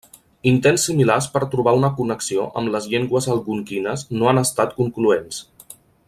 Intents similars per trobar una connexió amb les llengües algonquines no han estat concloents.